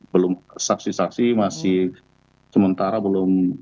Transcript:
belum saksi saksi masih sementara belum